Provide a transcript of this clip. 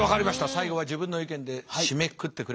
最後は自分の意見で締めくくってくれました。